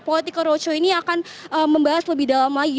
political roadshow ini akan membahas lebih dalam lagi